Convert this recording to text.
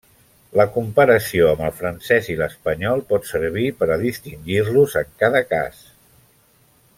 La comparació amb el francès i l'espanyol pot servir per a distingir-los en cada cas.